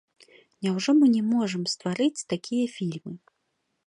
Няўжо мы не можам стварыць такія фільмы?